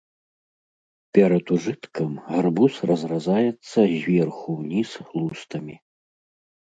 Перад ужыткам гарбуз разразаецца зверху ўніз лустамі.